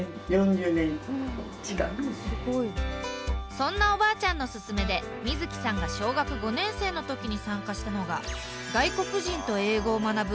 そんなおばあちゃんのすすめで瑞樹さんが小学５年生の時に参加したのが外国人と英語を学ぶ